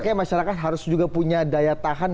kayaknya masyarakat harus juga punya daya tahan